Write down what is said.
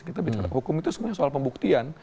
kita bicara hukum itu sebenarnya soal pembuktian